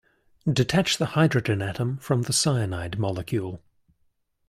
Detach the hydrogen atom from the cyanide molecule.